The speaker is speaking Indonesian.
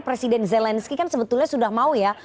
presiden zelensky kan sebetulnya sudah mau ya